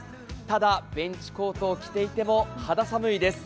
ただ、ベンチコートを着ていても肌寒いです。